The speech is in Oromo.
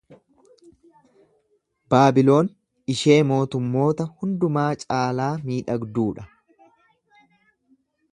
Baabiloon ishee mootummoota hundumaa caalaa miidhagduu dha.